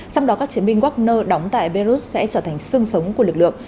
trong đó các chiến binh wagner đóng tại belarus sẽ trở thành sương sống của lực lượng